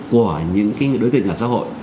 của những cái đối tượng nhà xã hội